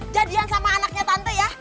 jadian sama anaknya tante ya